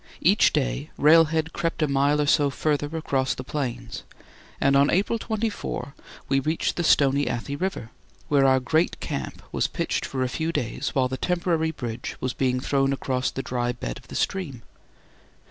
Each day railhead crept a mile or so further across the Plains, and on April 24 we reached the Stony Athi River, where our great camp was pitched for a few days while the temporary bridge was being thrown across the dry bed of the stream.